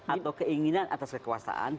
atau keinginan atas kekuasaan